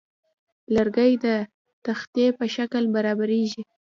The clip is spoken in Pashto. لرګی د تختې په شکل برابریږي.